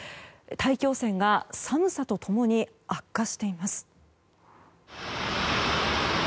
大気汚染は寒さと共に悪化しています。